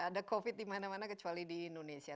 ada covid dimana mana kecuali di indonesia